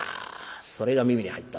それが耳に入った。